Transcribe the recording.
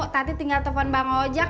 tadi tinggal telfon bang ojak